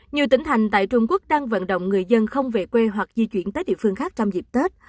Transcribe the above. nhiều tỉnh thành tại trung quốc đang vận động người dân không về quê hoặc di chuyển tới địa phương khác trong dịp tết